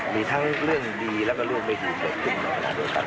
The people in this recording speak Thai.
มีทั้งเรื่องดีและร่วมไม่หิวโดยตุ้มหน่อยดูกัน